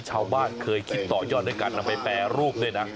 ชาวบ้านเคยคิดต่อยอดด้วยการนำไปแปรรูปด้วยนะ